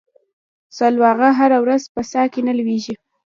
سلواغه هره ورځ په څا کې نه ولېږي.